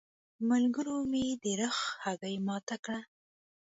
ملګرو مې د رخ هګۍ ماته کړه.